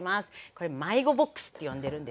これ迷子ボックスって呼んでるんですけど。